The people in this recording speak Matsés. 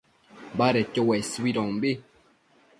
badedquio uesuidombi